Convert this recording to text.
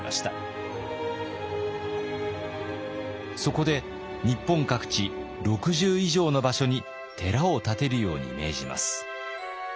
そこで日本各地６０以上の場所に寺を建てるように命じます。